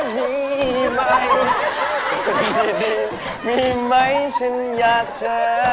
มีไหมมีไหมฉันอยากเจอ